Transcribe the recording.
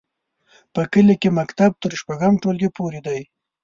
په کلي کې مکتب تر شپږم ټولګي پورې دی.